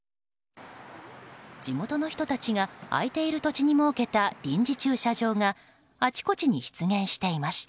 地元の人たちが空いている土地に設けた臨時駐車場があちこちに出現していました。